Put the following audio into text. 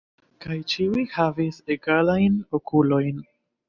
Kaj ĉiuj havis egalajn okulojn.